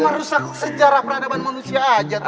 merusak sejarah peradaban manusia aja